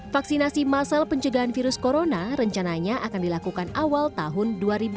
vaksinasi masal pencegahan virus corona rencananya akan dilakukan awal tahun dua ribu dua puluh